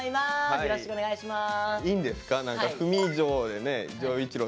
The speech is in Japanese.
よろしくお願いします。